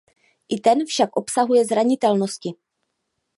I ten však obsahuje zranitelnosti.